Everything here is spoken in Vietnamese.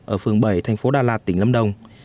ở phường bảy thành phố đà lạt tỉnh lâm đồng